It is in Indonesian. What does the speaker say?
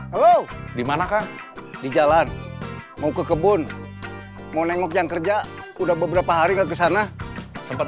halo dimanakah di jalan mau ke kebun mau nengok jam kerja udah beberapa hari nggak kesana sempat